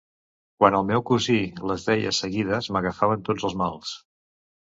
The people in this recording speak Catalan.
Quan el meu cosí les deia seguides m'agafaven tots els mals.